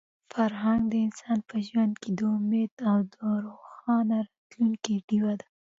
فرهنګ د انسان په ژوند کې د امید او د روښانه راتلونکي ډیوه ده.